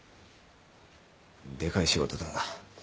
でかい仕事だな。